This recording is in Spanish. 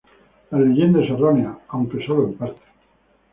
La leyenda es errónea, aunque solo en parte.